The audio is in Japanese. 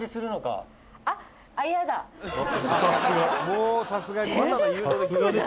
もうさすがにね。